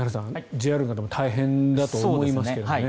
ＪＲの方も大変だと思いますが。